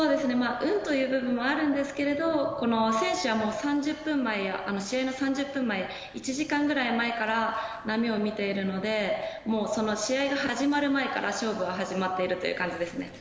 運という部分もあるんですけど選手は試合の３０分前や１時間くらい前から波を見ているので試合が始まる前から勝負は始まっているという感じですね。